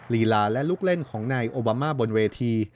ลีลาและลูกเล่นของนายโอบามาบนเวที